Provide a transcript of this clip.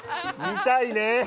見たいね。